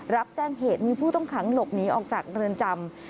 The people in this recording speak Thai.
รับแจ้งเหตุมีผู้ต้องขังหลบหนีออกจากเรือนจำ